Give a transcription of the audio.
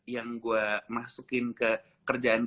yang gue masukin ke kerjaan